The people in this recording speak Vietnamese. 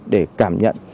để cảm nhận